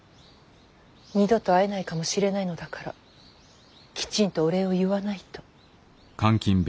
二度と会えないかもしれないのだからきちんとお礼を言わないと。